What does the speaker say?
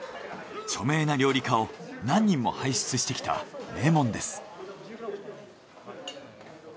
著名な料理家を何人も輩出してきた名門です。